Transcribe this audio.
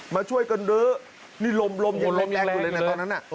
มาช่วยกันหรือนี่ลมยังแปลกเลยตอนนั้นน่ะ